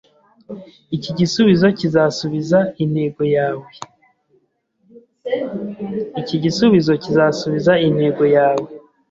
Iki gisubizo kizasubiza intego yawe?